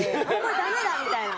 だめだみたいな。